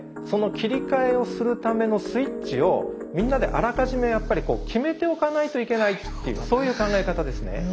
その切り替えをするためのスイッチをみんなであらかじめやっぱり決めておかないといけないっていうそういう考え方ですね。